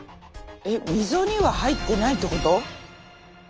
えっ溝には入ってないってこと？